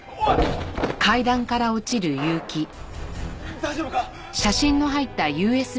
大丈夫か！？